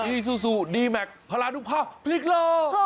อีซูซูดีแมคพรานุภาพพริกโล